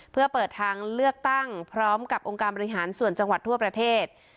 เพื่อเปิดทางเลือกตั้งพร้อมกับองค์การบริหารส่วนจังหวัดทั่วประเทศ